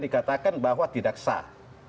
dikatakan bahwa tidak sah